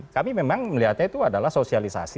kami memang melihatnya itu adalah sosialisasi